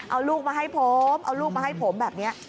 เอาลูกมาให้ผมเอาลูกมาให้ผมแบบนี้